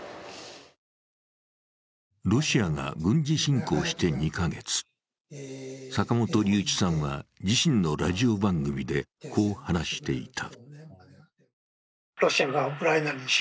ロシアが軍事侵攻して２か月、坂本龍一さんは自身のラジオ番組でこう話していた。